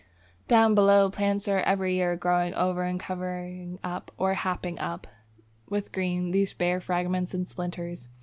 Down below plants are every year growing over and covering up or "happing up" with green these bare fragments and splinters.